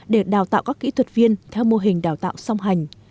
để đào tạo các kỹ thuật viên theo mô hình đào tạo song hành